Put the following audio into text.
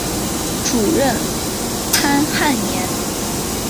主任潘汉年。